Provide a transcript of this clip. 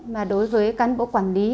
mà đối với cán bộ quản lý